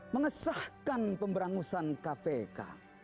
mengesahkan pemberangusan kpk